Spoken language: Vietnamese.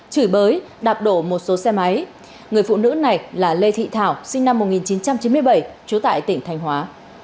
chửi bới đạp đổ một số xe máy người phụ nữ này là lê thị thảo sinh năm một nghìn chín trăm chín mươi bảy trú tại tỉnh thành hóa